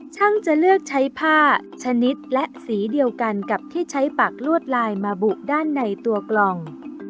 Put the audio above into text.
ช่างจะเลือกใช้ผ้าชนิดและสีเดียวกันกับที่ใช้ปากลวดลายมาบุด้านในตัวกล่อง